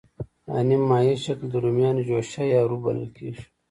دا نیم مایع شکل د رومیانو جوشه یا روب بلل کېږي.